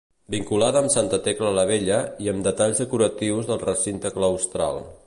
Vinculada amb Santa Tecla la Vella i amb detalls decoratius del recinte claustral.